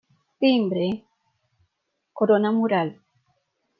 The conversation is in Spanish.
Timbre: Corona mural.